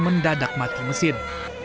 mendadak mati mesin